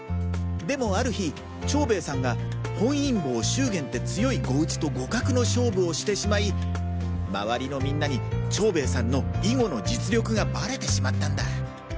でもある日長兵衛さんが本因坊秀元って強い碁打ちと互角の勝負をしてしまい周りのみんなに長兵衛さんの囲碁の実力がバレてしまったんだ。